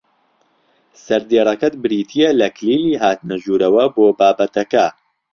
سەردێڕەکەت بریتییە لە کلیلی هاتنە ژوورەوە بۆ بابەتەکە